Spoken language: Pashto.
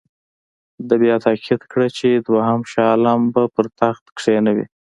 ده بیا تایید کړه چې دوهم شاه عالم به پر تخت کښېنوي.